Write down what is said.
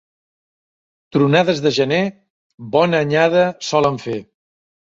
Tronades de gener bona anyada solen fer.